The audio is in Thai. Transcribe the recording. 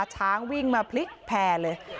ช้างวิ่งมาพลิกแพร่เลย